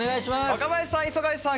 若林さん磯貝さん